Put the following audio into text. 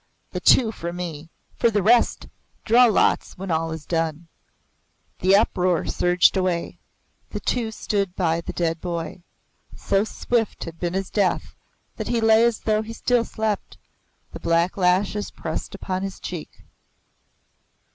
The two for me. For the rest draw lots when all is done." The uproar surged away. The two stood by the dead boy. So swift had been his death that he lay as though he still slept the black lashes pressed upon his cheek.